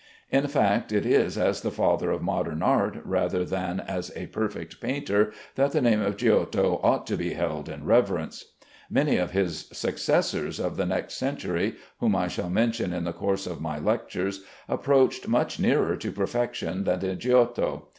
In fact, it is as the father of modern art rather than as a perfect painter that the name of Giotto ought to be held in reverence. Many of his successors of the next century, whom I shall mention in the course of my lectures, approached much nearer to perfection than did Giotto.